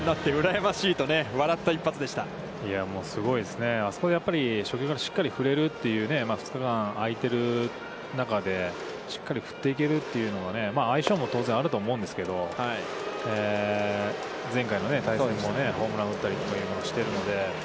やっぱりあそこで初球からしっかり振れるというのは、あいてる中で、しっかり振っていけるというのは、相性も当然あると思うんですけど、前回の対戦もホームランを打ったりもしてるので。